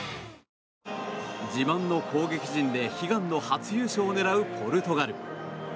自慢の攻撃陣で悲願の初優勝を狙うポルトガル。